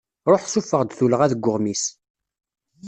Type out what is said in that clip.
Ruḥ sufeɣ-d tullɣa deg uɣmis.